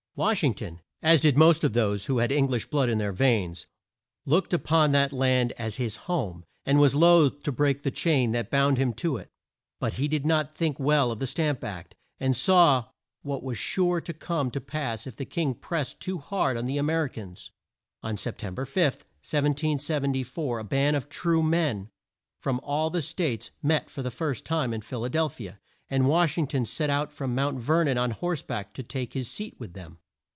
Wash ing ton as did most of those who had Eng lish blood in their veins looked up on that land as his home, and was loath to break the chain that bound him to it. But he did not think well of the Stamp Act, and saw what was sure to come to pass if the king pressed too hard on the A mer i cans. On Sep tem ber 5, 1774, a band of true men from all the States met for the first time in Phil a del phi a, and Wash ing ton set out from Mount Ver non on horse back to take his seat with them.